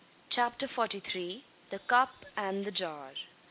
CHAPTER FORTY THREE. THE CUP AND THE JAR.